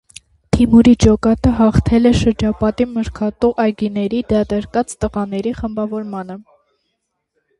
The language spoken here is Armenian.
Թիմուրի ջոկատը հաղթել է շրջապատի մրգատու այգիները դատարկած տղաների խմբավորմանը։